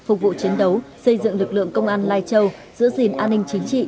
phục vụ chiến đấu xây dựng lực lượng công an lai châu giữ gìn an ninh chính trị